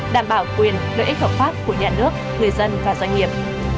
đảm bảo quyền lợi ích hợp pháp của nhà nước người dân và doanh nghiệp